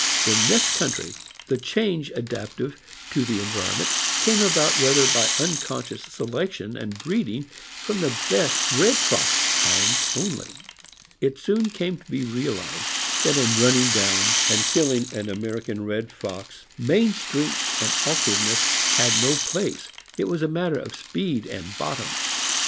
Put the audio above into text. In this country, the change adaptive to the environment came about rather by uncon scious selection, and breeding from the best red fox Hounds only. It soon came to be realized that in running down and JOE FORESTER. Owned by Brunswick Fur Club. killing an American red fox main strength and awkward ness had no place — it was a matter of speed and bottom.